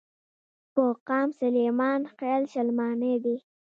پۀ قام سليمان خيل، شلمانے دے ۔